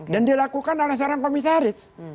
dan dilakukan oleh seorang komisaris